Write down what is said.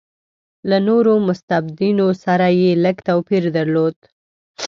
له نورو مستبدینو سره یې لږ توپیر درلود.